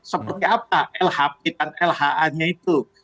seperti apa lhp dan lha nya itu